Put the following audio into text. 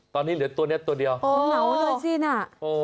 ตอนนี้เหลือตัวเนี้ยตัวเดียวอ๋ออ๋อเหลือชิ้นอ่ะโอ้